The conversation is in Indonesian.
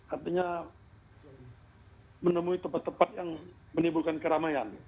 artinya menemui tempat tempat yang menimbulkan keramaian